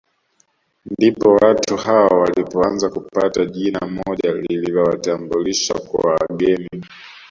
Ndipo watu hao walipoanza kupata jina moja lililowatambulisha kwa wageni